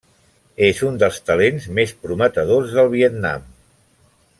És un dels talents més prometedors del Vietnam.